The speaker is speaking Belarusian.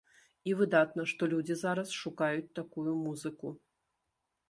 І выдатна, што людзі зараз шукаюць такую музыку.